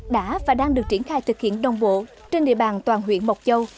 đã và đang được triển khai thực hiện đồng bộ trên địa bàn toàn huyện mộc châu